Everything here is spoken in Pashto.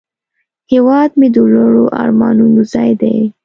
هیواد مې د لوړو آرمانونو ځای دی